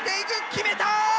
決めた！